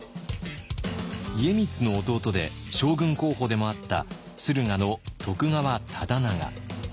家光の弟で将軍候補でもあった駿河の徳川忠長。